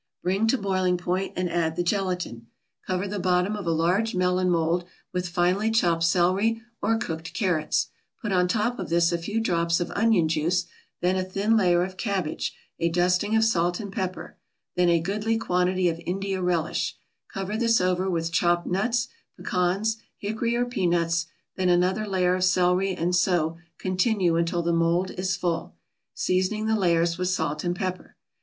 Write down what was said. Bring to boiling point, and add the gelatin. Cover the bottom of a large melon mold with finely chopped celery or cooked carrots, put on top of this a few drops of onion juice, then a thin layer of cabbage, a dusting of salt and pepper, then a goodly quantity of India relish; cover this over with chopped nuts, pecans, hickory or peanuts, then another layer of celery, and so continue until the mold is full, seasoning the layers with salt and pepper.